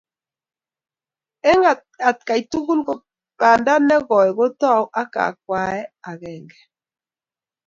Eng atkai tugul banda nekoi kotou ak kwakwae akenge,